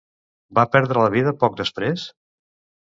Va perdre la vida poc després?